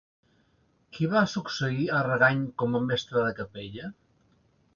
Qui va succeir a Argany com a mestre de capella?